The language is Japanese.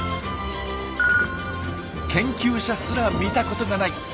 研究者すら見たことがない